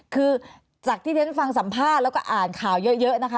คือจากที่เรียนฟังสัมภาษณ์แล้วก็อ่านข่าวเยอะนะคะ